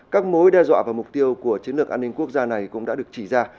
các mối đe dọa và mục tiêu của chiến lược an ninh quốc gia này cũng đã được chỉ ra